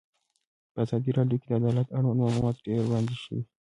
په ازادي راډیو کې د عدالت اړوند معلومات ډېر وړاندې شوي.